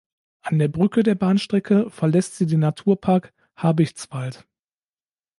An der Brücke der Bahnstrecke verlässt sie den Naturpark Habichtswald.